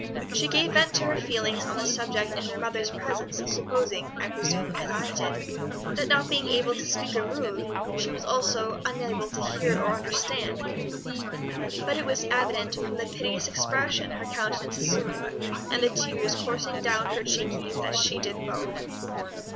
"She gave vent to her feelings on the subject in her mother's presence, supposing, I presume, as I did, that not being able to speak or move, she was also unable to hear or understand, but it was evident from the piteous expression her countenance assumed and the tears coursing down her cheeky that she did both."